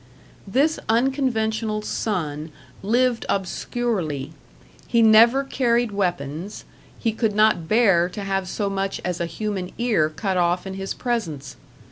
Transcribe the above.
This unconventional Son lived obscurely; he never carried weapons, he could not bear to have so much as a human ear cut off in his presence.